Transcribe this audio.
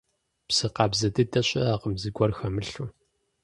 Псы къабзэ дыдэ щыӀэкъым, зыгуэр хэмылъу.